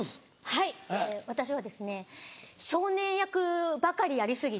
はい私は少年役ばかりやり過ぎて。